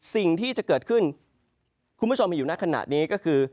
สิ่งที่จะเกิดขึ้นคุณผู้ชมมีอยู่ในขณะนี้ก็คือ